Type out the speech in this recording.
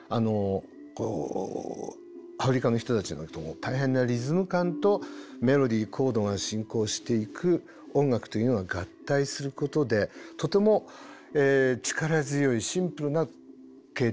こうアフリカの人たちの大変なリズム感とメロディーコードが進行していく音楽というのが合体することでとても力強いシンプルな形態ができるようになりました。